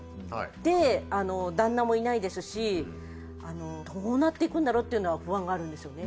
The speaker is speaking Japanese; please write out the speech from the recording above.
で旦那もいないですしどうなっていくんだろうっていうのは不安があるんですよね。